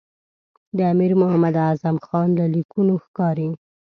د امیر محمد اعظم خان له لیکونو ښکاري.